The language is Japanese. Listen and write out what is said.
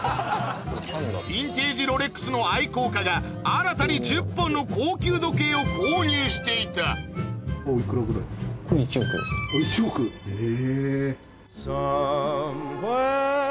ヴィンテージロレックスの愛好家が新たに１０本の高級時計を購入していた１億⁉え！